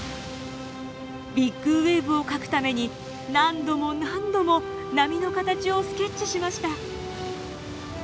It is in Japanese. ビッグウエーブを描くために何度も何度も波の形をスケッチしました。